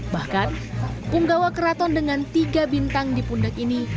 bahkan punggawa keraton dengan tiga bintang di pundak ini